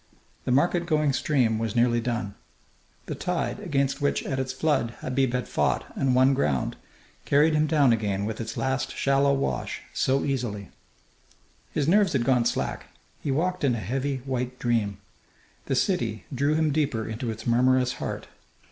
The market going stream was nearly done. The tide, against which at its flood Habib had fought and won ground, carried him down again with its last shallow wash so easily! His nerves had gone slack. He walked in a heavy white dream. The city drew him deeper into its murmurous heart.